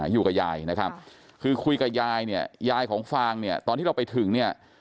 อยู่กับยายนะครับคือคุยกับยายเนี่ยยายของฟางเนี่ยตอนที่เราไปถึงเนี่ย